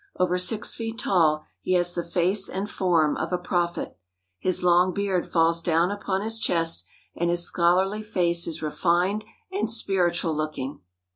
Over six feet tall, he has the face and form of a prophet. His long beard falls down upon his chest and his scholarly face is refined and spiritual looking.